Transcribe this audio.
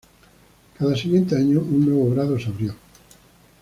Cada siguiente año un nuevo grado se abrió.